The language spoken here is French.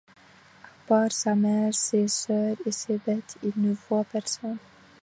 À part sa mère, ses sœurs et ses bêtes, il ne voit personne.